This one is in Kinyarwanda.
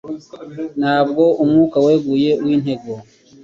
Ntabwo umwuka weguye w'intego